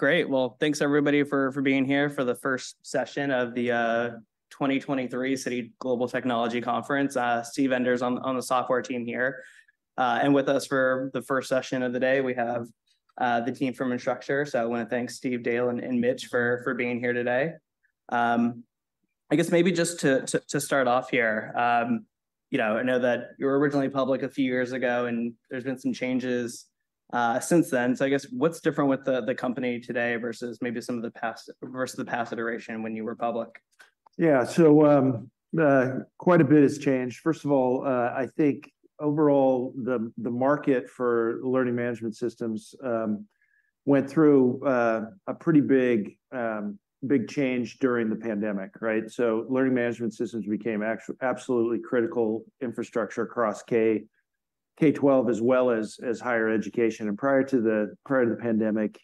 Great! Well, thanks everybody for being here for the first session of the 2023 Citi Global Technology Conference. Steve Enders on the software team here. And with us for the first session of the day, we have the team from Instructure. So I wanna thank Steve, Dale, and Mitch for being here today. I guess maybe just to start off here, you know, I know that you were originally public a few years ago, and there's been some changes since then. So I guess, what's different with the company today versus the past iteration when you were public? Yeah. So, quite a bit has changed. First of all, I think overall, the market for learning management systems went through a pretty big, big change during the pandemic, right? So learning management systems became absolutely critical infrastructure across K-12, as well as higher education. And prior to the pandemic,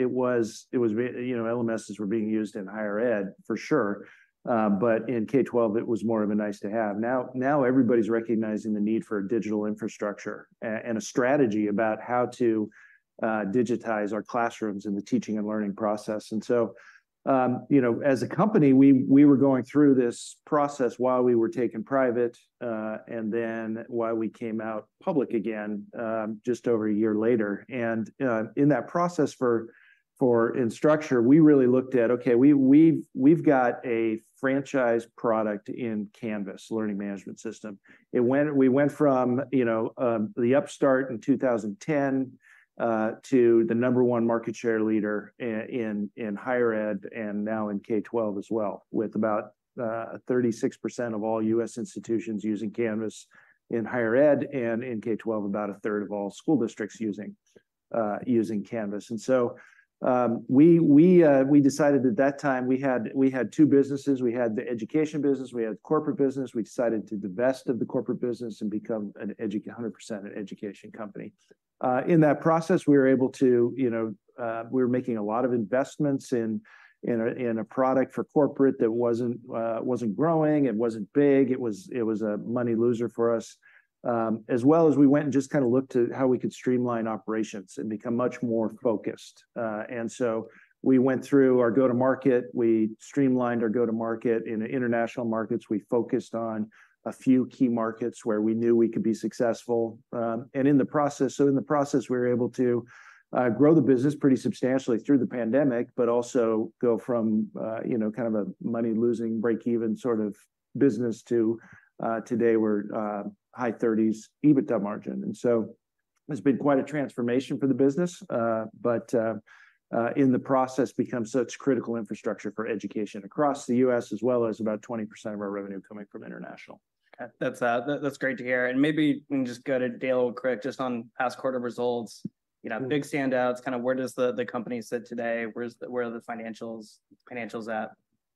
it was, you know, LMSs were being used in higher ed, for sure, but in K-12, it was more of a nice-to-have. Now everybody's recognizing the need for a digital infrastructure and a strategy about how to digitize our classrooms in the teaching and learning process. You know, as a company, we were going through this process while we were taken private, and then while we came out public again, just over a year later. In that process for Instructure, we really looked at, okay, we've got a franchise product in Canvas learning management system. We went from the upstart in 2010 to the number one market share leader in higher ed, and now in K-12 as well, with about 36% of all U.S. institutions using Canvas in higher ed, and in K-12, about 1/3 of all school districts using Canvas. So, we decided at that time we had two businesses. We had the education business, we had the corporate business. We decided to divest of the corporate business and become 100% an education company. In that process, we were able to, you know, we were making a lot of investments in a product for corporate that wasn't growing, it wasn't big, it was a money loser for us. As well as we went and just kinda looked at how we could streamline operations and become much more focused. And so we went through our go-to-market, we streamlined our go-to-market in international markets. We focused on a few key markets where we knew we could be successful, and in the process, we were able to grow the business pretty substantially through the pandemic, but also go from, you know, kind of a money-losing, break-even sort of business to, today we're high 30s EBITDA margin. And so it's been quite a transformation for the business, but in the process, become such critical infrastructure for education across the U.S., as well as about 20% of our revenue coming from international. Okay. That's great to hear. And maybe we can just go to Dale quick, just on past quarter results, you know, big standouts, kinda where does the company sit today? Where are the financials at?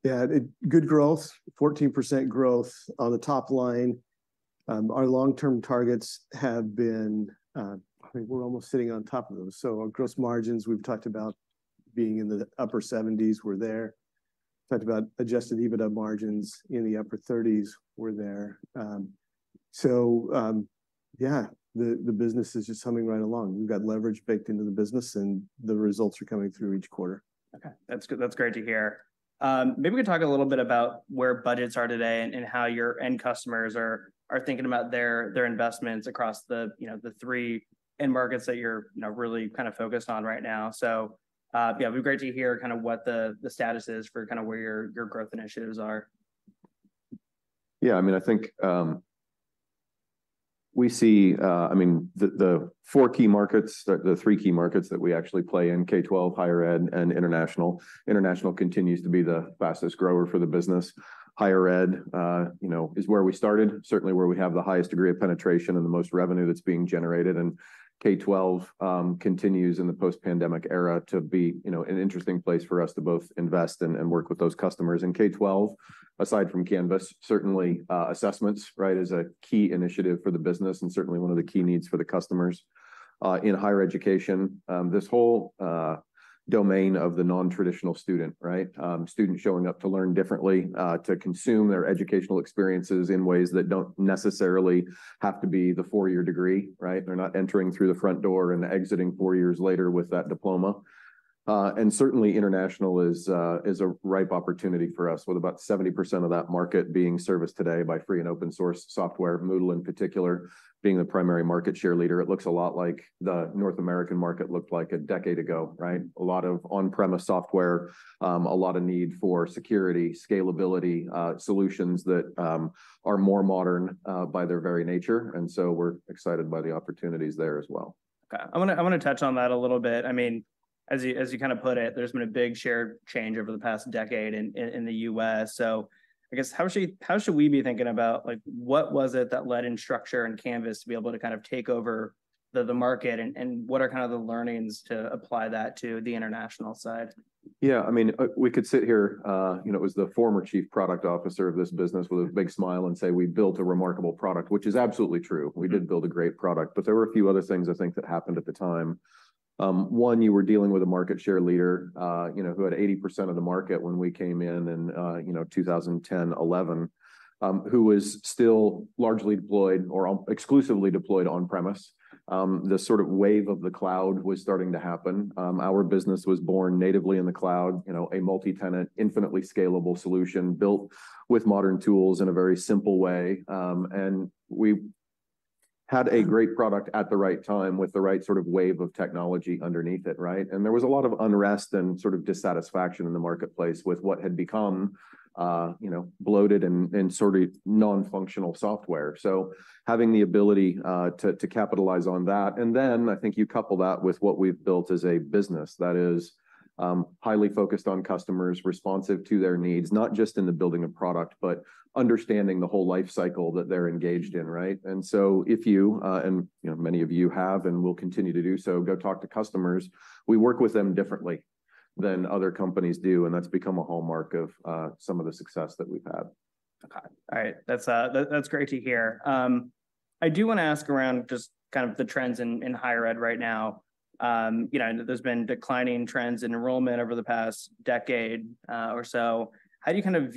Yeah, good growth, 14% growth on the top line. Our long-term targets have been, I think we're almost sitting on top of them. So our gross margins, we've talked about being in the upper 70s, we're there. Talked about Adjusted EBITDA margins in the upper 30s, we're there. Yeah, the business is just humming right along. We've got leverage baked into the business, and the results are coming through each quarter. Okay. That's good, that's great to hear. Maybe we can talk a little bit about where budgets are today and how your end customers are thinking about their investments across the, you know, the three end markets that you're, you know, really kinda focused on right now. So, yeah, it'd be great to hear kinda what the status is for kinda where your growth initiatives are. Yeah, I mean, I think we see, I mean, the three key markets that we actually play in: K-12, higher ed, and international. International continues to be the fastest grower for the business. Higher ed, you know, is where we started, certainly where we have the highest degree of penetration and the most revenue that's being generated. K-12 continues in the post-pandemic era to be, you know, an interesting place for us to both invest and work with those customers. In K-12, aside from Canvas, certainly assessments, right, is a key initiative for the business and certainly one of the key needs for the customers. In higher education, this whole domain of the non-traditional student, right? Students showing up to learn differently, to consume their educational experiences in ways that don't necessarily have to be the four-year degree, right? They're not entering through the front door and exiting four years later with that diploma. And certainly international is a ripe opportunity for us, with about 70% of that market being serviced today by free and open source software, Moodle in particular, being the primary market share leader. It looks a lot like the North American market looked like a decade ago, right? A lot of on-premise software, a lot of need for security, scalability, solutions that are more modern, by their very nature, and so we're excited by the opportunities there as well. Okay, I wanna, I wanna touch on that a little bit. I mean, as you, as you kinda put it, there's been a big share change over the past decade in, in, in the U.S. So I guess, how should, how should we be thinking about, like, what was it that led Instructure and Canvas to be able to kind of take over the, the market, and, and what are kind of the learnings to apply that to the international side? Yeah, I mean, we could sit here, you know, as the former Chief Product Officer of this business with a big smile and say, "We built a remarkable product," which is absolutely true. We did build a great product, but there were a few other things I think that happened at the time. One, you were dealing with a market share leader, you know, who had 80% of the market when we came in in, you know, 2010, 2011, who was still largely deployed or exclusively deployed on-premise. The sort of wave of the cloud was starting to happen. Our business was born natively in the cloud, you know, a multi-tenant, infinitely scalable solution, built with modern tools in a very simple way. And we- had a great product at the right time with the right sort of wave of technology underneath it, right? And there was a lot of unrest and sort of dissatisfaction in the marketplace with what had become, you know, bloated and sort of non-functional software. So having the ability to capitalize on that, and then I think you couple that with what we've built as a business that is highly focused on customers, responsive to their needs, not just in the building of product, but understanding the whole life cycle that they're engaged in, right? And so if you, you know, many of you have and will continue to do so, go talk to customers, we work with them differently than other companies do, and that's become a hallmark of some of the success that we've had. Okay. All right. That's, that's great to hear. I do want to ask around just kind of the trends in, in higher ed right now. You know, there's been declining trends in enrollment over the past decade, or so. How do you kind of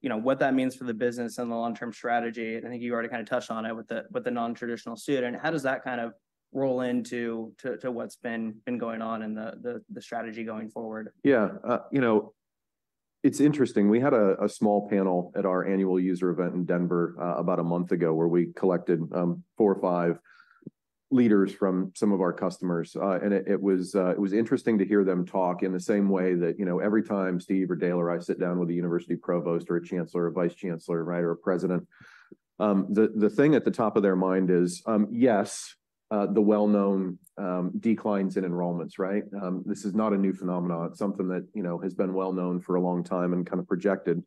view, you know, what that means for the business and the long-term strategy? I think you already kind of touched on it with the, with the non-traditional student. How does that kind of roll into to, to what's been, been going on and the, the, the strategy going forward? Yeah. You know, it's interesting. We had a small panel at our annual user event in Denver, about a month ago, where we collected four or five leaders from some of our customers. And it was interesting to hear them talk in the same way that, you know, every time Steve or Dale or I sit down with a university provost or a chancellor, a vice chancellor, right, or a president, the thing at the top of their mind is, yes, the well-known declines in enrollments, right? This is not a new phenomenon. It's something that, you know, has been well known for a long time and kind of projected.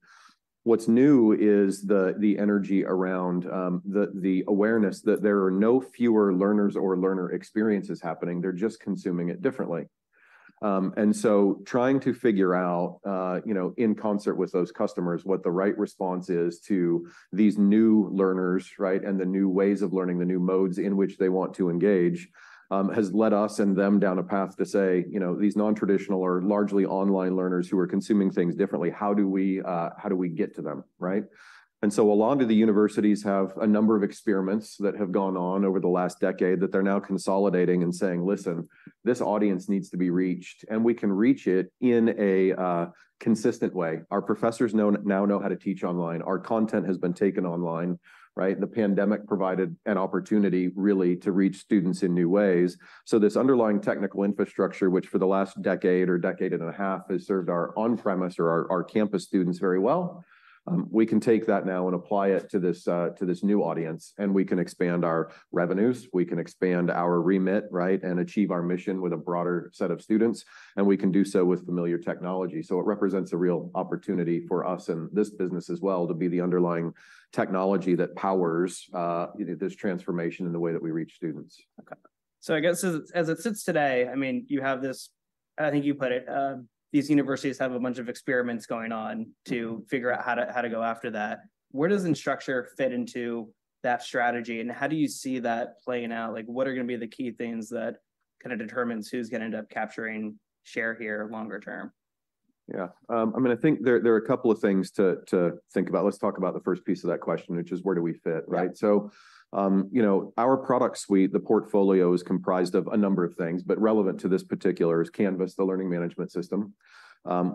What's new is the energy around the awareness that there are no fewer learners or learner experiences happening, they're just consuming it differently. And so trying to figure out, you know, in concert with those customers, what the right response is to these new learners, right, and the new ways of learning, the new modes in which they want to engage, has led us and them down a path to say, you know, these non-traditional or largely online learners who are consuming things differently, how do we get to them, right? And so a lot of the universities have a number of experiments that have gone on over the last decade that they're now consolidating and saying: Listen, this audience needs to be reached, and we can reach it in a consistent way. Our professors now know how to teach online. Our content has been taken online, right? The pandemic provided an opportunity, really, to reach students in new ways. So this underlying technical infrastructure, which for the last decade or decade and a half, has served our on-premise or our campus students very well, we can take that now and apply it to this new audience, and we can expand our revenues, we can expand our remit, right, and achieve our mission with a broader set of students, and we can do so with familiar technology. So it represents a real opportunity for us and this business as well, to be the underlying technology that powers this transformation in the way that we reach students. Okay. So I guess as it, as it sits today, I mean, you have this, I think you put it, these universities have a bunch of experiments going on to figure out how to, how to go after that. Where does Instructure fit into that strategy, and how do you see that playing out? Like, what are going to be the key things that kind of determines who's going to end up capturing share here longer term? Yeah. I mean, I think there are a couple of things to think about. Let's talk about the first piece of that question, which is where do we fit, right? Yeah. So, you know, our product suite, the portfolio, is comprised of a number of things, but relevant to this particular is Canvas, the learning management system.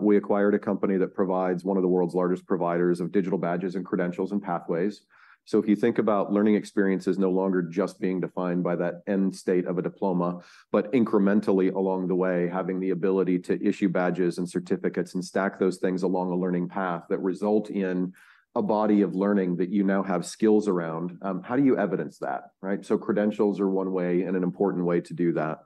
We acquired a company that provides one of the world's largest providers of digital badges and credentials and pathways. So if you think about learning experiences no longer just being defined by that end state of a diploma, but incrementally along the way, having the ability to issue badges and certificates and stack those things along a learning path that result in a body of learning that you now have skills around, how do you evidence that, right? So credentials are one way and an important way to do that.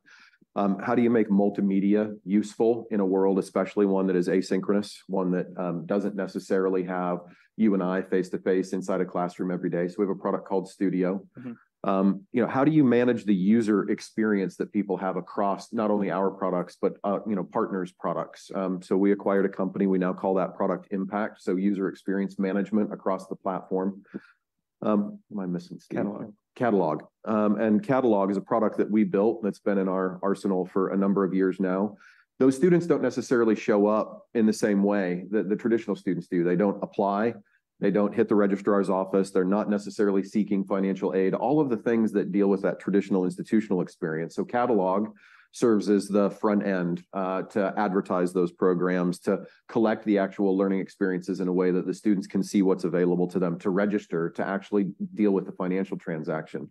How do you make multimedia useful in a world, especially one that is asynchronous, one that, doesn't necessarily have you and I face-to-face inside a classroom every day? So we have a product called Studio. Mm-hmm. You know, how do you manage the user experience that people have across not only our products, but, you know, partners' products? So we acquired a company, we now call that product Impact, so user experience management across the platform. Am I missing something? Catalog. Catalog. And Catalog is a product that we built that's been in our arsenal for a number of years now. Those students don't necessarily show up in the same way that the traditional students do. They don't apply, they don't hit the registrar's office, they're not necessarily seeking financial aid, all of the things that deal with that traditional institutional experience. So Catalog serves as the front end, to advertise those programs, to collect the actual learning experiences in a way that the students can see what's available to them, to register, to actually deal with the financial transaction.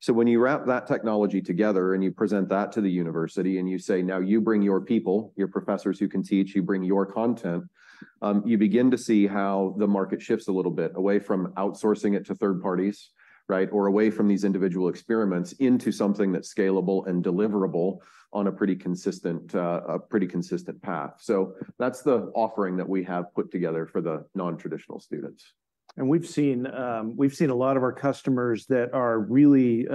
So when you wrap that technology together and you present that to the university, and you say: "Now, you bring your people, your professors who can teach, you bring your content," you begin to see how the market shifts a little bit away from outsourcing it to third parties, right? Or away from these individual experiments into something that's scalable and deliverable on a pretty consistent, a pretty consistent path. So that's the offering that we have put together for the non-traditional students. And we've seen, we've seen a lot of our customers that are really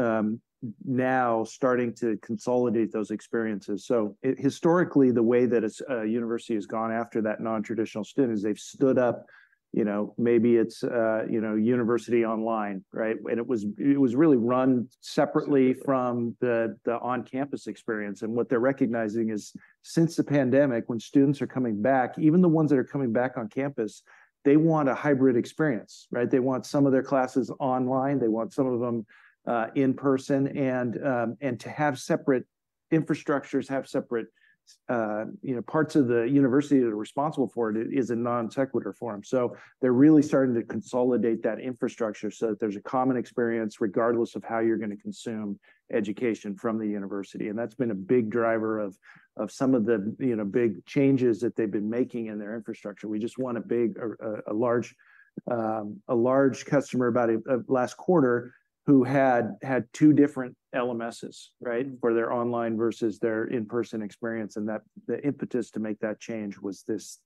now starting to consolidate those experiences. So historically, the way that a university has gone after that non-traditional student is they've stood up, you know, maybe it's, you know, university online, right? And it was, it was really run separately from the on-campus experience. And what they're recognizing is, since the pandemic, when students are coming back, even the ones that are coming back on campus, they want a hybrid experience, right? They want some of their classes online, they want some of them in person. And to have separate infrastructures, have separate, you know, parts of the university that are responsible for it is a non sequitur for them. So they're really starting to consolidate that infrastructure so that there's a common experience, regardless of how you're going to consume education from the university. And that's been a big driver of some of the, you know, big changes that they've been making in their infrastructure. We just won a large customer about last quarter who had two different LMSs, right? Where they're online versus their in-person experience, and the impetus to make that change was this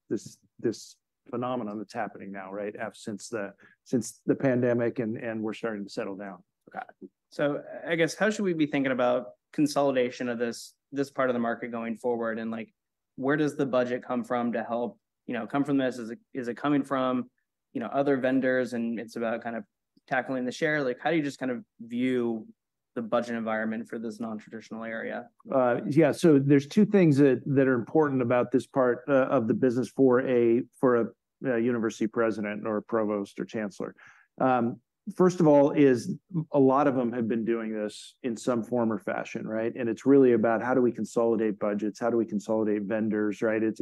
phenomenon that's happening now, right? Since the pandemic, and we're starting to settle down. Okay. So I guess, how should we be thinking about consolidation of this, this part of the market going forward? And like, where does the budget come from to help, you know, come from this? Is it, is it coming from, you know, other vendors, and it's about kind of tackling the share? Like, how do you just kind of view the budget environment for this non-traditional area? Yeah, so there's two things that, that are important about this part of the business for a university president or a provost or chancellor. First of all, a lot of them have been doing this in some form or fashion, right? It's really about how do we consolidate budgets? How do we consolidate vendors, right? It's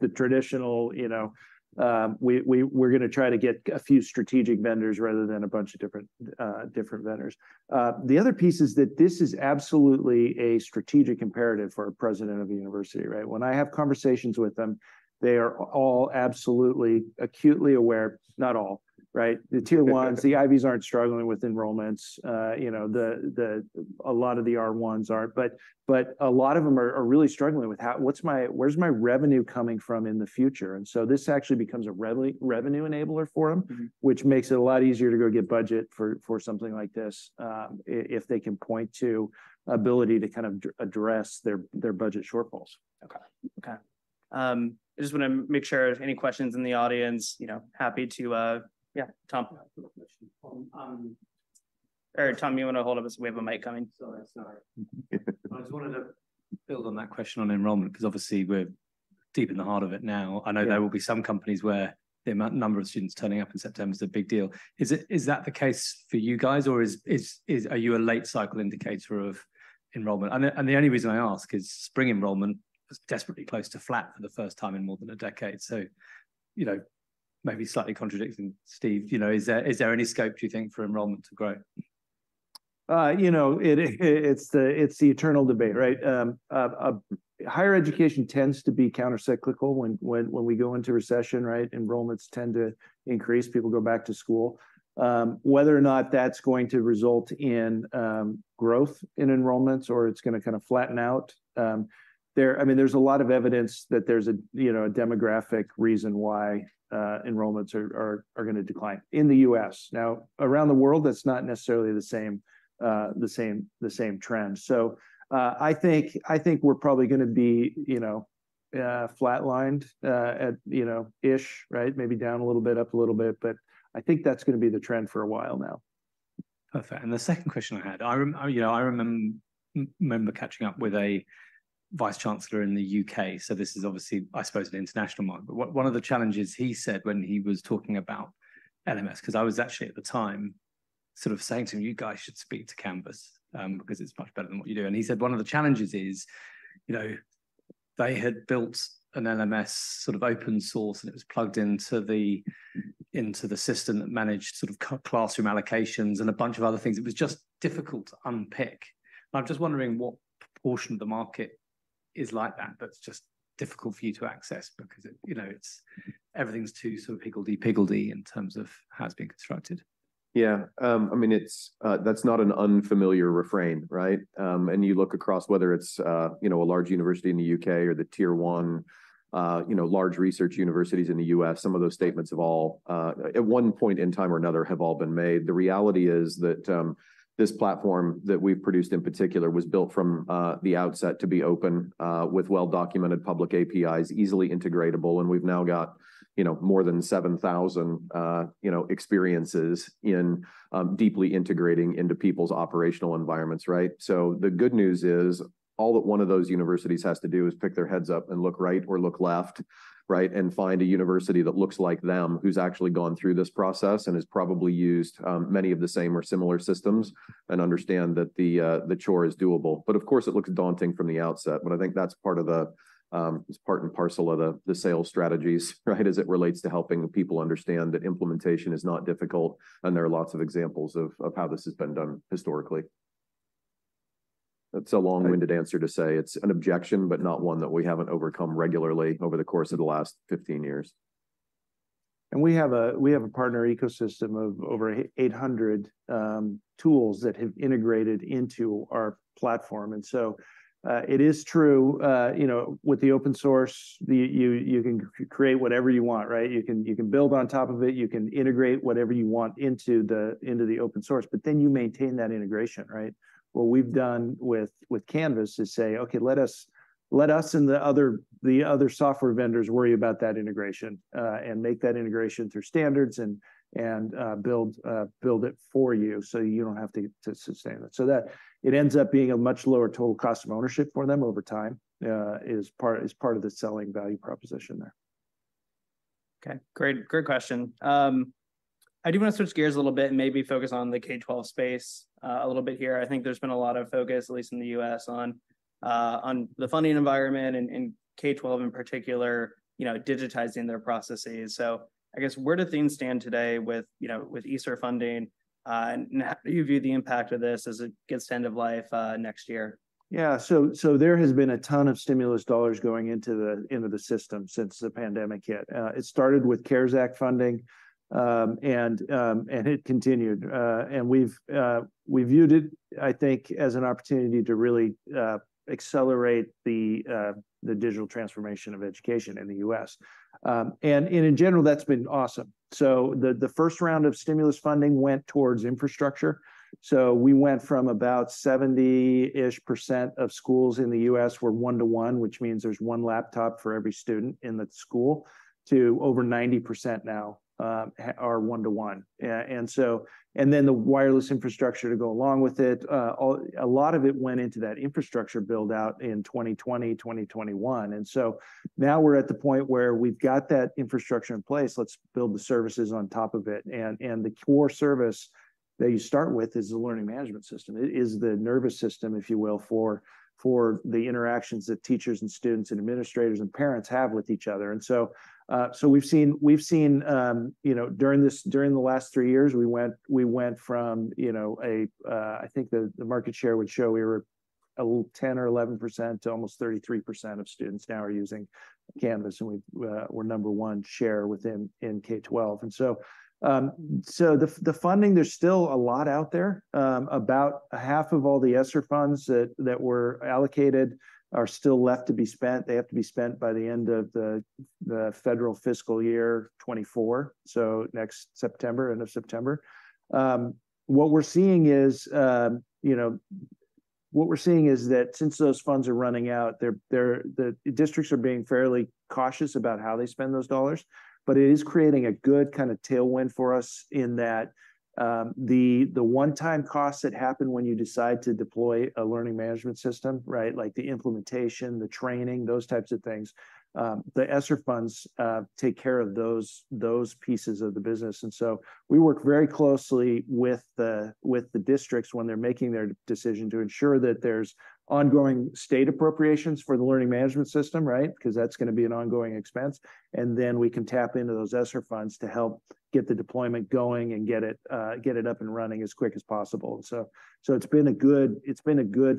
the traditional, you know, we're going to try to get a few strategic vendors rather than a bunch of different, different vendors. The other piece is that this is absolutely a strategic imperative for a president of a university, right? When I have conversations with them, they are all absolutely acutely aware, not all, right? The tier ones, the Ivies aren't struggling with enrollments. You know, a lot of the R1s aren't, but a lot of them are really struggling with how, "What's my, where's my revenue coming from in the future?" And so, this actually becomes a revenue enabler for them. Mm-hmm. which makes it a lot easier to go get budget for something like this, if they can point to ability to kind of address their budget shortfalls. Okay. Okay. I just want to make sure if any questions in the audience, you know, happy to... Yeah, Tom. I have a question. Tom, you want to hold on a second, we have a mic coming. Sorry, sorry. I just wanted to build on that question on enrollment, because obviously, we're deep in the heart of it now. I know there will be some companies where the amount, number of students turning up in September is a big deal. Is that the case for you guys, or are you a late cycle indicator of enrollment? And the only reason I ask is spring enrollment is desperately close to flat for the first time in more than a decade. So, you know, maybe slightly contradicting Steve, you know, is there any scope, do you think, for enrollment to grow? You know, it's the eternal debate, right? Higher education tends to be countercyclical when we go into recession, right? Enrollments tend to increase, people go back to school. Whether or not that's going to result in growth in enrollments or it's going to kind of flatten out, I mean, there's a lot of evidence that there's a demographic reason why enrollments are going to decline in the U.S. Now, around the world, that's not necessarily the same trend. So, I think we're probably going to be flatlined, you know, ish, right? Maybe down a little bit, up a little bit, but I think that's going to be the trend for a while now. Perfect. And the second question I had: I remember catching up with a vice chancellor in the U.K., so this is obviously, I suppose, an international one. But one of the challenges he said when he was talking about LMS, because I was actually at the time sort of saying to him, "You guys should speak to Canvas, because it's much better than what you do." And he said one of the challenges is, you know, they had built an LMS sort of open source, and it was plugged into the system that managed sort of classroom allocations and a bunch of other things. It was just difficult to unpick. I'm just wondering what proportion of the market is like that, that's just difficult for you to access because it, you know, everything's too sort of higgledy-piggledy in terms of how it's been constructed. Yeah. I mean, it's, that's not an unfamiliar refrain, right? And you look across whether it's, you know, a large university in the U.K. or the tier one, you know, large research universities in the U.S., some of those statements have all, at one point in time or another, have all been made. The reality is that, this platform that we've produced, in particular, was built from, the outset to be open, with well-documented public APIs, easily integratable, and we've now got, you know, more than 7,000, you know, experiences in, deeply integrating into people's operational environments, right? So the good news is, all that one of those universities has to do is pick their heads up and look right or look left, right, and find a university that looks like them, who's actually gone through this process and has probably used many of the same or similar systems, and understand that the chore is doable. But of course, it looks daunting from the outset, but I think that's part of the, it's part and parcel of the sales strategies, right? As it relates to helping people understand that implementation is not difficult, and there are lots of examples of how this has been done historically. That's a long-winded answer to say it's an objection, but not one that we haven't overcome regularly over the course of the last 15 years. And we have a partner ecosystem of over 800 tools that have integrated into our platform. And so, it is true, you know, with the open source, you can create whatever you want, right? You can build on top of it, you can integrate whatever you want into the open source, but then you maintain that integration, right? What we've done with Canvas is say, "Okay, let us and the other software vendors worry about that integration and make that integration through standards and build it for you, so you don't have to sustain it." So that it ends up being a much lower total cost of ownership for them over time is part of the selling value proposition there. Okay, great, great question. I do want to switch gears a little bit and maybe focus on the K-12 space, a little bit here. I think there's been a lot of focus, at least in the U.S., on, on the funding environment and, and K-12 in particular, you know, digitizing their processes. So I guess where do things stand today with, you know, with ESSER funding? And how do you view the impact of this as it gets to end of life, next year? Yeah. So there has been a ton of stimulus dollars going into the system since the pandemic hit. It started with CARES Act funding, and it continued. And we viewed it, I think, as an opportunity to really accelerate the digital transformation of education in the U.S. And in general, that's been awesome. So the first round of stimulus funding went towards infrastructure. So we went from about 70%-ish of schools in the U.S. were one-to-one, which means there's one laptop for every student in that school, to over 90% now, are one-to-one. And then the wireless infrastructure to go along with it, a lot of it went into that infrastructure build-out in 2020, 2021. And so now we're at the point where we've got that infrastructure in place, let's build the services on top of it. And the core service that you start with is the learning management system. It is the nervous system, if you will, for the interactions that teachers and students and administrators and parents have with each other. And so we've seen, you know, during the last three years, we went from, you know, I think the market share would show we were a little 10 or 11% to almost 33% of students now are using Canvas, and we're number one share within K-12. And so the funding, there's still a lot out there. About a half of all the ESSER funds that were allocated are still left to be spent. They have to be spent by the end of the federal fiscal year 2024, so next September, end of September. What we're seeing is, you know, what we're seeing is that since those funds are running out, the districts are being fairly cautious about how they spend those dollars, but it is creating a good kind of tailwind for us in that, the one-time costs that happen when you decide to deploy a learning management system, right? Like the implementation, the training, those types of things, the ESSER funds take care of those pieces of the business. And so we work very closely with the districts when they're making their decision to ensure that there's ongoing state appropriations for the learning management system, right? Because that's going to be an ongoing expense. Then we can tap into those ESSER funds to help get the deployment going and get it, get it up and running as quick as possible. So it's been a good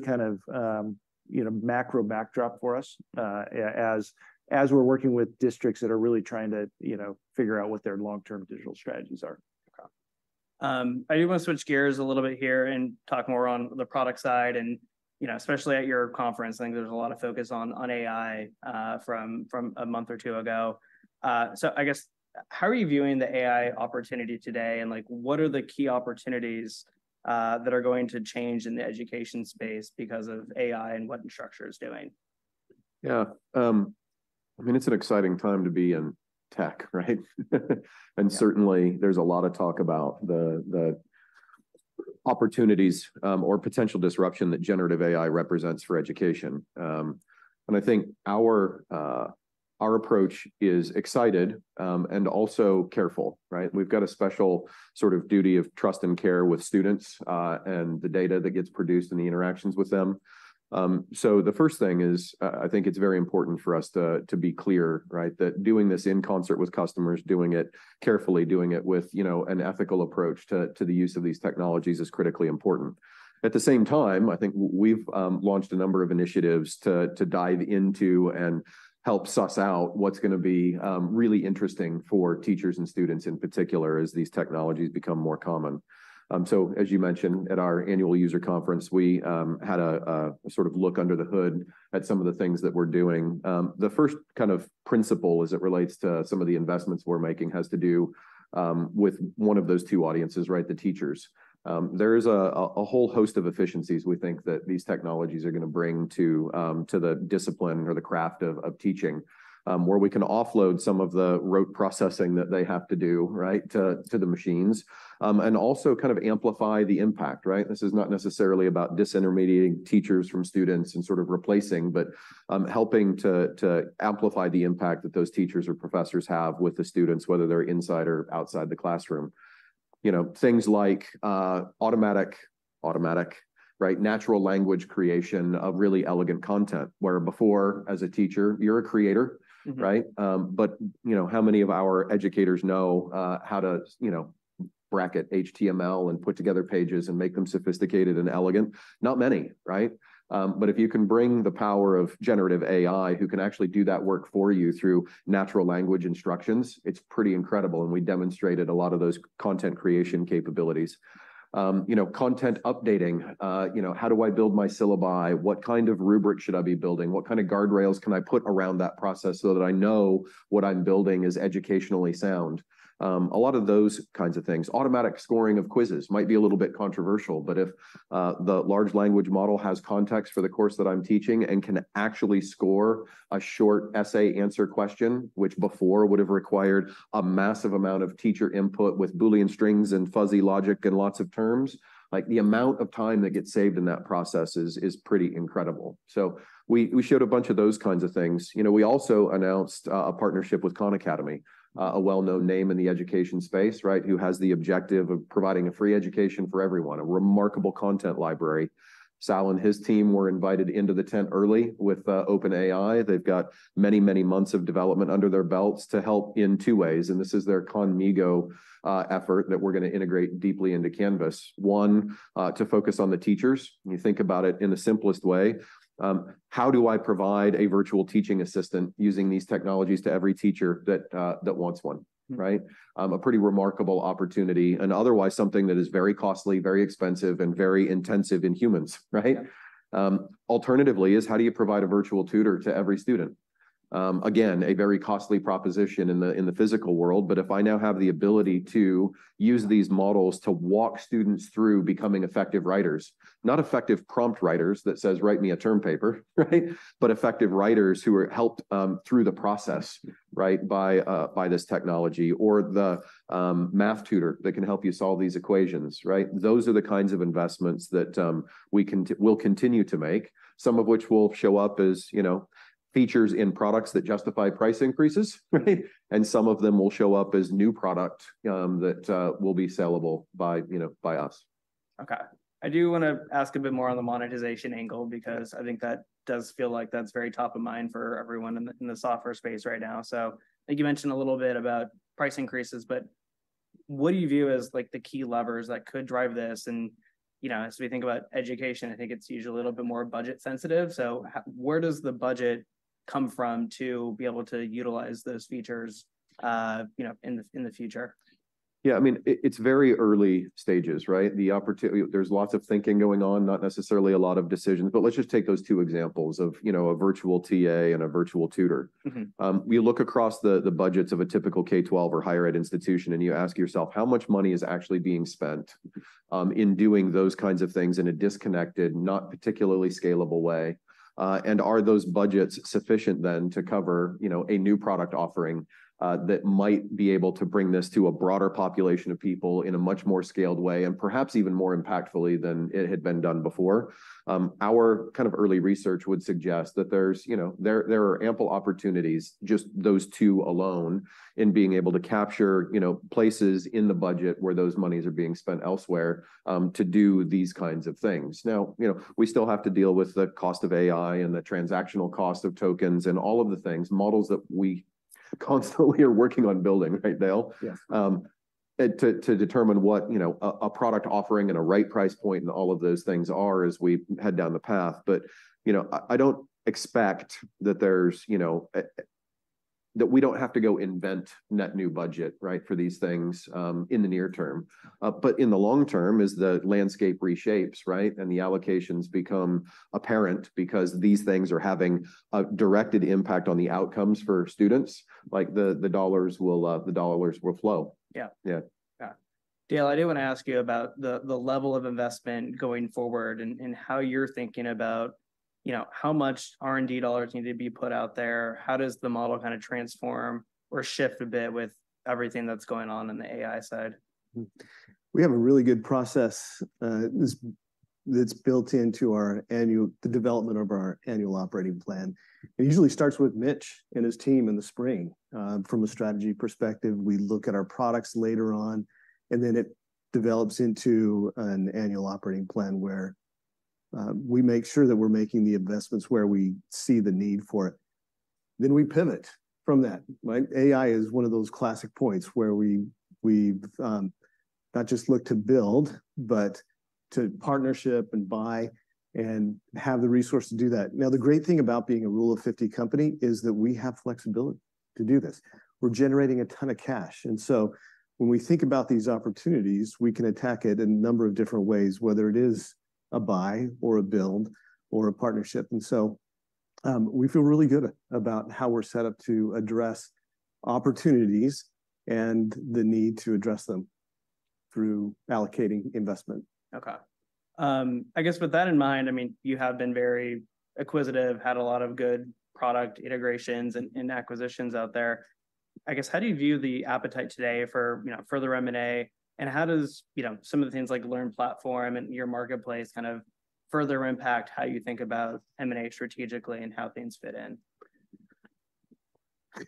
kind of, you know, macro backdrop for us as we're working with districts that are really trying to, you know, figure out what their long-term digital strategies are. Okay. I do want to switch gears a little bit here and talk more on the product side, and, you know, especially at your conference, I think there's a lot of focus on AI from a month or two ago. So I guess, how are you viewing the AI opportunity today? And, like, what are the key opportunities that are going to change in the education space because of AI and what Instructure is doing? Yeah. I mean, it's an exciting time to be in tech, right? And certainly, there's a lot of talk about the, the opportunities, or potential disruption that generative AI represents for education. And I think our, our approach is excited, and also careful, right? We've got a special sort of duty of trust and care with students, and the data that gets produced and the interactions with them. So the first thing is, I think it's very important for us to, to be clear, right? That doing this in concert with customers, doing it carefully, doing it with, you know, an ethical approach to, to the use of these technologies is critically important. At the same time, I think we've launched a number of initiatives to, to dive into and help suss out what's going to be, really interesting for teachers and students, in particular, as these technologies become more common. So as you mentioned, at our annual user conference, we had a sort of look under the hood at some of the things that we're doing. The first kind of principle as it relates to some of the investments we're making has to do with one of those two audiences, right? The teachers. There is a whole host of efficiencies we think that these technologies are going to bring to the discipline or the craft of teaching, where we can offload some of the rote processing that they have to do, right, to the machines. And also kind of amplify the impact, right? This is not necessarily about disintermediating teachers from students and sort of replacing, but helping to amplify the impact that those teachers or professors have with the students, whether they're inside or outside the classroom. You know, things like automatic right, natural language creation of really elegant content, where before, as a teacher, you're a creator- Mm-hmm. right? But, you know, how many of our educators know how to, you know, bracket HTML and put together pages and make them sophisticated and elegant? Not many, right? But if you can bring the power of generative AI, who can actually do that work for you through natural language instructions, it's pretty incredible, and we demonstrated a lot of those content creation capabilities. You know, content updating, you know, how do I build my syllabi? What kind of rubric should I be building? What kind of guardrails can I put around that process so that I know what I'm building is educationally sound? A lot of those kinds of things. Automatic scoring of quizzes might be a little bit controversial, but if the large language model has context for the course that I'm teaching and can actually score a short essay answer question, which before would have required a massive amount of teacher input with Boolean strings and fuzzy logic and lots of terms, like, the amount of time that gets saved in that process is pretty incredible. So we showed a bunch of those kinds of things. You know, we also announced a partnership with Khan Academy, a well-known name in the education space, right, who has the objective of providing a free education for everyone, a remarkable content library. Sal and his team were invited into the tent early with OpenAI. They've got many, many months of development under their belts to help in two ways, and this is their Khanmigo effort that we're going to integrate deeply into Canvas. One, to focus on the teachers. When you think about it in the simplest way, how do I provide a virtual teaching assistant using these technologies to every teacher that that wants one, right? A pretty remarkable opportunity, and otherwise, something that is very costly, very expensive, and very intensive in humans, right? Yeah. Alternatively, is how do you provide a virtual tutor to every student? ... again, a very costly proposition in the physical world. But if I now have the ability to use these models to walk students through becoming effective writers, not effective prompt writers that says, "Write me a term paper," right? But effective writers who are helped through the process, right, by this technology, or the math tutor that can help you solve these equations, right? Those are the kinds of investments that we'll continue to make, some of which will show up as, you know, features in products that justify price increases, right? And some of them will show up as new product that will be sellable by, you know, by us. Okay. I do wanna ask a bit more on the monetization angle, because I think that does feel like that's very top of mind for everyone in the, in the software space right now. So I think you mentioned a little bit about price increases, but what do you view as, like, the key levers that could drive this? And, you know, as we think about education, I think it's usually a little bit more budget sensitive. So where does the budget come from to be able to utilize those features, you know, in the future? Yeah, I mean, it's very early stages, right? The opportunity, there's lots of thinking going on, not necessarily a lot of decisions. But let's just take those two examples of, you know, a virtual TA and a virtual tutor. Mm-hmm. You look across the budgets of a typical K-12 or higher ed institution, and you ask yourself: how much money is actually being spent in doing those kinds of things in a disconnected, not particularly scalable way? And are those budgets sufficient then to cover, you know, a new product offering that might be able to bring this to a broader population of people in a much more scaled way, and perhaps even more impactfully than it had been done before? Our kind of early research would suggest that there's, you know, there are ample opportunities, just those two alone, in being able to capture, you know, places in the budget where those monies are being spent elsewhere to do these kinds of things. Now, you know, we still have to deal with the cost of AI and the transactional cost of tokens and all of the things, models that we constantly are working on building, right, Dale? Yes. And to determine what, you know, a product offering and a right price point and all of those things are as we head down the path. But, you know, I don't expect that there's, you know, that we don't have to go invent net new budget, right, for these things, in the near term. But in the long term, as the landscape reshapes, right, and the allocations become apparent because these things are having a directed impact on the outcomes for students, like, the dollars will flow. Yeah. Yeah. Yeah. Dale, I did wanna ask you about the level of investment going forward and how you're thinking about, you know, how much R&D dollars need to be put out there. How does the model kind of transform or shift a bit with everything that's going on in the AI side? We have a really good process, that's built into the development of our annual operating plan. It usually starts with Mitch and his team in the spring. From a strategy perspective, we look at our products later on, and then it develops into an annual operating plan, where we make sure that we're making the investments where we see the need for it. Then we pivot from that, right? AI is one of those classic points where we not just look to build, but to partnership and buy and have the resources to do that. Now, the great thing about being a Rule of 50 company is that we have flexibility to do this. We're generating a ton of cash, and so when we think about these opportunities, we can attack it in a number of different ways, whether it is a buy or a build or a partnership. And so, we feel really good about how we're set up to address opportunities and the need to address them through allocating investment. Okay. I guess with that in mind, I mean, you have been very acquisitive, had a lot of good product integrations and acquisitions out there. I guess, how do you view the appetite today for, you know, further M&A, and how does, you know, some of the things like LearnPlatform and your marketplace kind of further impact how you think about M&A strategically and how things fit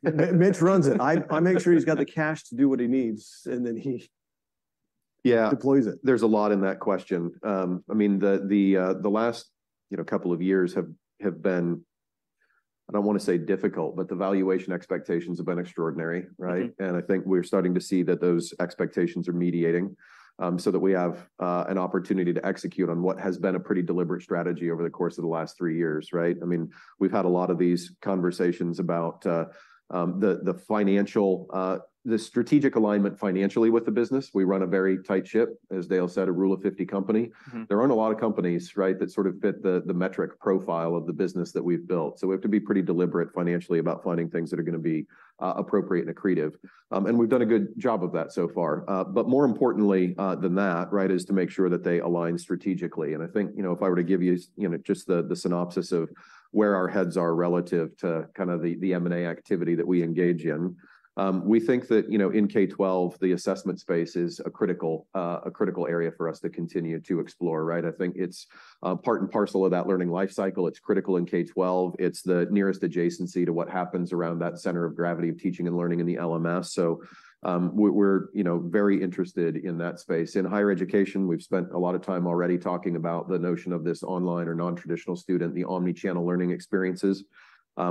in? Mitch runs it. I make sure he's got the cash to do what he needs, and then he- Yeah... deploys it. There's a lot in that question. I mean, the last, you know, couple of years have been, I don't want to say difficult, but the valuation expectations have been extraordinary, right? Mm-hmm. And I think we're starting to see that those expectations are mediating, so that we have an opportunity to execute on what has been a pretty deliberate strategy over the course of the last three years, right? I mean, we've had a lot of these conversations about the financial, the strategic alignment financially with the business. We run a very tight ship, as Dale said, a Rule of 50 company. Mm-hmm. There aren't a lot of companies, right, that sort of fit the metric profile of the business that we've built, so we have to be pretty deliberate financially about finding things that are gonna be appropriate and accretive. And we've done a good job of that so far. But more importantly, than that, right, is to make sure that they align strategically. And I think, you know, if I were to give you, you know, just the synopsis of where our heads are relative to kind of the M&A activity that we engage in, we think that, you know, in K-12, the assessment space is a critical area for us to continue to explore, right? I think it's part and parcel of that learning life cycle. It's critical in K-12. It's the nearest adjacency to what happens around that center of gravity of teaching and learning in the LMS. So, we, we're, you know, very interested in that space. In higher education, we've spent a lot of time already talking about the notion of this online or non-traditional student, the omni-channel learning experiences.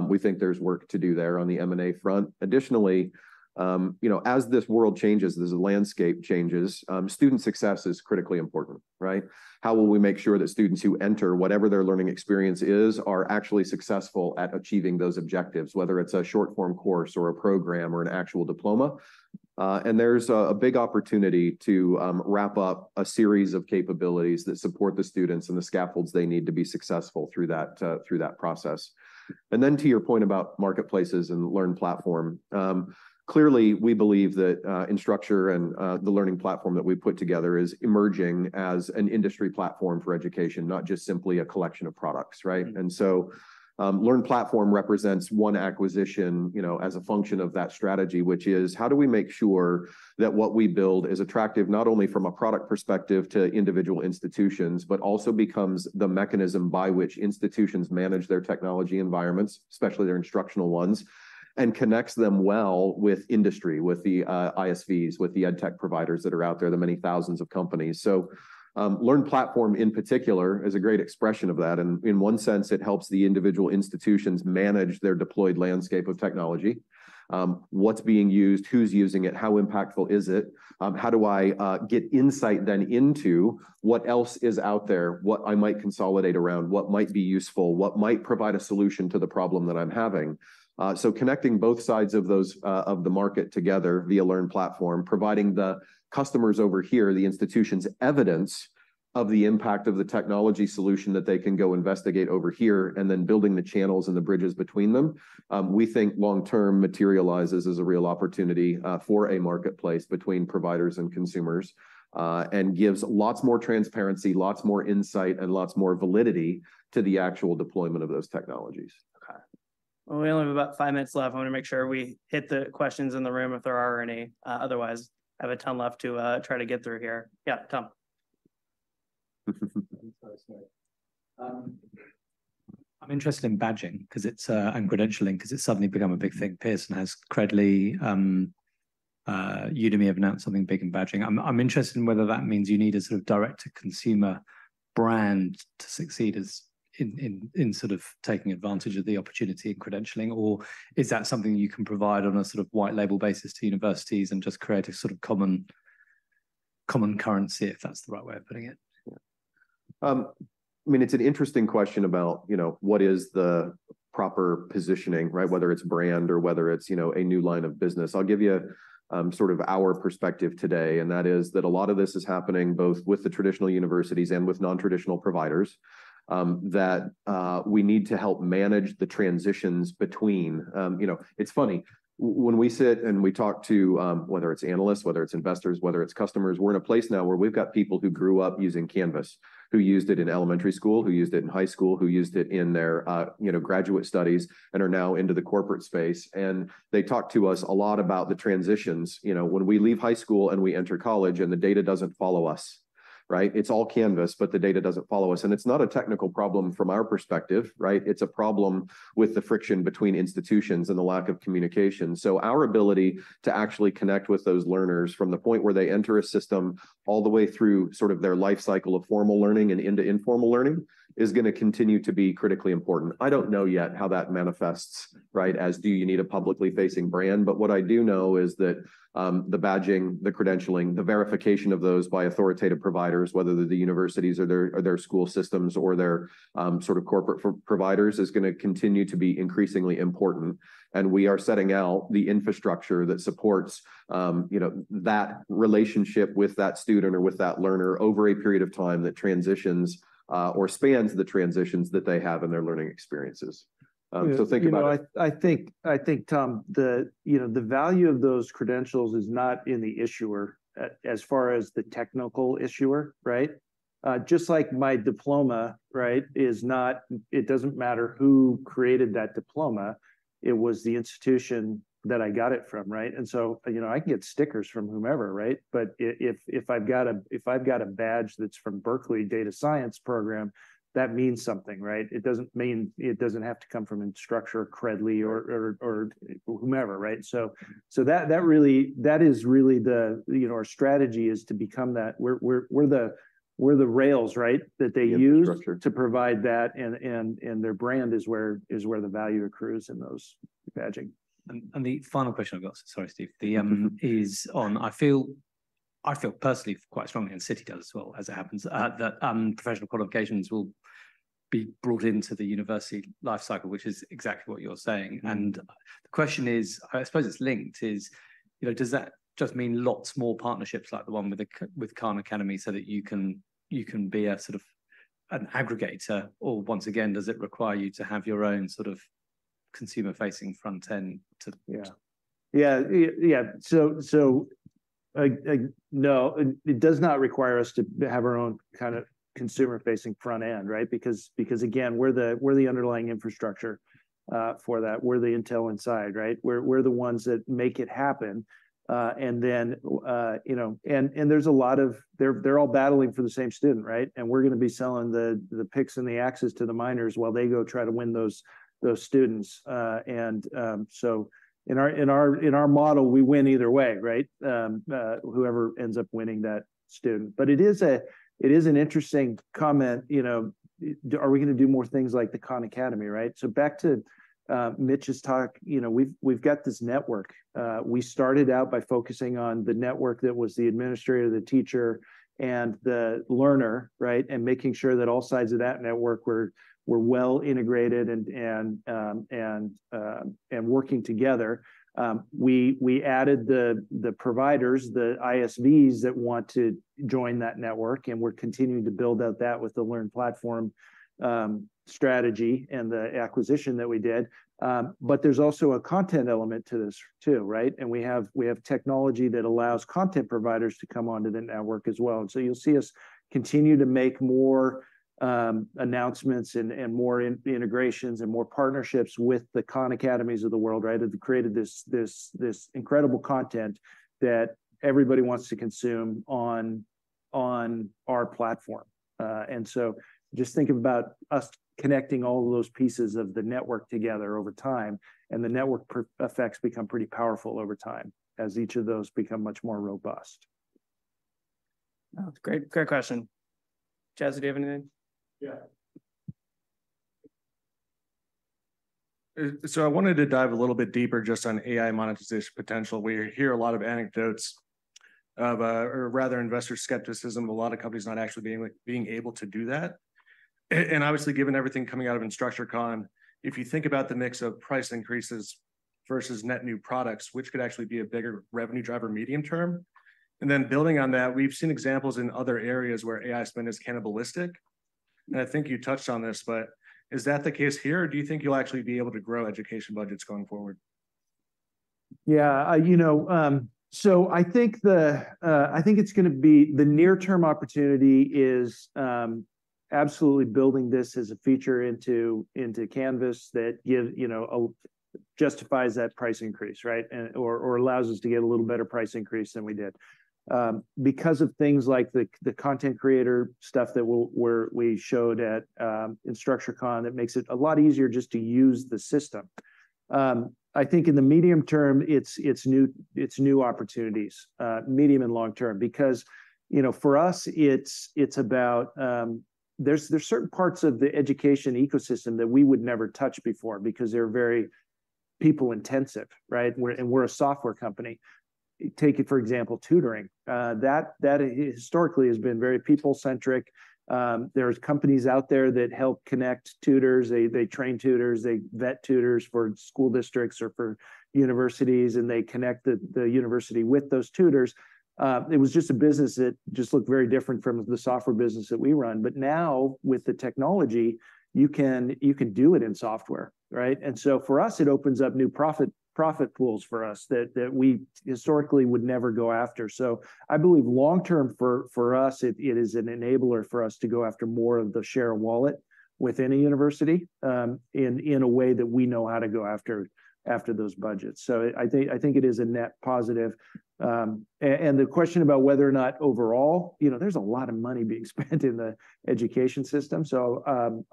We think there's work to do there on the M&A front. Additionally, you know, as this world changes, this landscape changes, student success is critically important, right? How will we make sure that students who enter, whatever their learning experience is, are actually successful at achieving those objectives, whether it's a short-form course or a programme or an actual diploma? And there's a big opportunity to wrap up a series of capabilities that support the students and the scaffolds they need to be successful through that process. And then to your point about marketplaces and LearnPlatform. Clearly, we believe that Instructure and the learning platform that we put together is emerging as an industry platform for education, not just simply a collection of products, right? And so, LearnPlatform represents one acquisition, you know, as a function of that strategy, which is, how do we make sure that what we build is attractive, not only from a product perspective to individual institutions, but also becomes the mechanism by which institutions manage their technology environments, especially their instructional ones, and connects them well with industry, with the ISVs, with the edtech providers that are out there, the many thousands of companies. So, LearnPlatform, in particular, is a great expression of that, and in one sense, it helps the individual institutions manage their deployed landscape of technology. What's being used? Who's using it? How impactful is it? How do I get insight then into what else is out there, what I might consolidate around, what might be useful, what might provide a solution to the problem that I'm having? So, connecting both sides of those of the market together via LearnPlatform, providing the customers over here, the institutions evidence of the impact of the technology solution that they can go investigate over here, and then building the channels and the bridges between them, we think long-term materializes as a real opportunity for a marketplace between providers and consumers, and gives lots more transparency, lots more insight, and lots more validity to the actual deployment of those technologies. Okay. Well, we only have about five minutes left. I want to make sure we hit the questions in the room, if there are any. Otherwise, I have a ton left to try to get through here. Yeah, Tom? I'm sorry. I'm interested in badging, 'cause it's and credentialing, 'cause it's suddenly become a big thing. Pearson has Credly. Udemy have announced something big in badging. I'm interested in whether that means you need a sort of direct-to-consumer brand to succeed as in, in sort of taking advantage of the opportunity in credentialing, or is that something you can provide on a sort of white label basis to universities and just create a sort of common, common currency, if that's the right way of putting it? Yeah. I mean, it's an interesting question about, you know, what is the proper positioning, right? Whether it's brand or whether it's, you know, a new line of business. I'll give you, sort of our perspective today, and that is that a lot of this is happening both with the traditional universities and with non-traditional providers, that we need to help manage the transitions between. You know, it's funny, when we sit and we talk to, whether it's analysts, whether it's investors, whether it's customers, we're in a place now where we've got people who grew up using Canvas, who used it in elementary school, who used it in high school, who used it in their, you know, graduate studies, and are now into the corporate space, and they talk to us a lot about the transitions. You know, when we leave high school, and we enter college, and the data doesn't follow us, right? It's all Canvas, but the data doesn't follow us. And it's not a technical problem from our perspective, right? It's a problem with the friction between institutions and the lack of communication. So our ability to actually connect with those learners from the point where they enter a system all the way through sort of their life cycle of formal learning and into informal learning, is going to continue to be critically important. I don't know yet how that manifests, right? As do you need a publicly facing brand, but what I do know is that the badging, the credentialing, the verification of those by authoritative providers, whether they're the universities or their school systems, or their sort of corporate providers, is going to continue to be increasingly important. We are setting out the infrastructure that supports you know that relationship with that student or with that learner over a period of time that transitions or spans the transitions that they have in their learning experiences. So think about it- You know, I think, Tom, you know, the value of those credentials is not in the issuer as far as the technical issuer, right? Just like my diploma, right? It doesn't matter who created that diploma, it was the institution that I got it from, right? And so, you know, I can get stickers from whomever, right? But if I've got a badge that's from Berkeley Data Science program, that means something, right? It doesn't mean. It doesn't have to come from Instructure, Credly, or whomever, right? So, that really is really the, you know, our strategy is to become that. We're the rails, right, that they use- Yeah, Instructure... to provide that, and their brand is where the value accrues in those badging. And the final question I've got, sorry, Steve.... is on I feel, I feel personally, quite strongly, and Citi does as well as it happens, that, professional qualifications will be brought into the university life cycle, which is exactly what you're saying. And the question is, I suppose it's linked, is, you know, does that just mean lots more partnerships like the one with Khan Academy, so that you can, you can be a sort of an aggregator, or once again, does it require you to have your own sort of consumer-facing front end to- Yeah. So, no, it does not require us to have our own kind of consumer-facing front end, right? Because, again, we're the underlying infrastructure for that. We're the Intel Inside, right? We're the ones that make it happen. And then, you know, and there's a lot of... They're all battling for the same student, right? And we're going to be selling the picks and the axes to the miners while they go try to win those students. And so in our model, we win either way, right? Whoever ends up winning that student. But it is an interesting comment, you know, are we going to do more things like the Khan Academy, right? So back to Mitch's talk, you know, we've got this network. We started out by focusing on the network that was the administrator, the teacher, and the learner, right? And making sure that all sides of that network were well integrated and working together. We added the providers, the ISVs that want to join that network, and we're continuing to build out that with the LearnPlatform strategy and the acquisition that we did. But there's also a content element to this too, right? And we have technology that allows content providers to come onto the network as well. And so you'll see us continue to make more announcements and more integrations and more partnerships with the Khan Academies of the world, right? That have created this incredible content that everybody wants to consume on our platform. And so just think about us connecting all of those pieces of the network together over time, and the network effects become pretty powerful over time, as each of those become much more robust. That's great. Great question. Jesse, do you have anything? Yeah. So I wanted to dive a little bit deeper just on AI monetization potential. We hear a lot of anecdotes of, or rather, investor skepticism of a lot of companies not actually being, like, being able to do that. And obviously, given everything coming out of InstructureCon, if you think about the mix of price increases versus net new products, which could actually be a bigger revenue driver medium term? And then building on that, we've seen examples in other areas where AI spend is cannibalistic, and I think you touched on this, but is that the case here, or do you think you'll actually be able to grow education budgets going forward? Yeah, you know, so I think it's gonna be the near-term opportunity is absolutely building this as a feature into Canvas that gives, you know, justifies that price increase, right? Or allows us to get a little better price increase than we did. Because of things like the content creator stuff that we showed at InstructureCon, that makes it a lot easier just to use the system. I think in the medium term, it's new opportunities, medium and long term. Because, you know, for us, it's about, there's certain parts of the education ecosystem that we would never touch before because they're very people-intensive, right? And we're a software company. Take, for example, tutoring. That historically has been very people-centric. There's companies out there that help connect tutors. They train tutors, they vet tutors for school districts or for universities, and they connect the university with those tutors. It was just a business that just looked very different from the software business that we run. But now, with the technology, you can do it in software, right? And so for us, it opens up new profit pools for us, that we historically would never go after. So I believe long term for us, it is an enabler for us to go after more of the share of wallet within a university, in a way that we know how to go after those budgets. So I think it is a net positive. And the question about whether or not overall, you know, there's a lot of money being spent in the education system. So,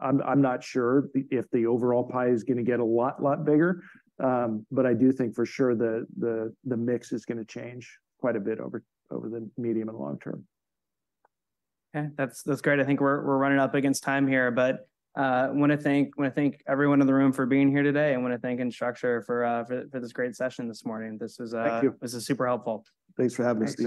I'm not sure if the overall pie is gonna get a lot, lot bigger, but I do think for sure the mix is gonna change quite a bit over the medium and long term. Okay, that's great. I think we're running up against time here, but I want to thank everyone in the room for being here today, and want to thank Instructure for this great session this morning. This is- Thank you... this is super helpful. Thanks for having us, Steve.